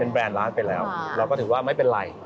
แรนด์ร้านไปแล้วเราก็ถือว่าไม่เป็นไร